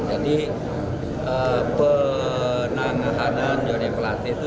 jadi penangahan dari pelate itu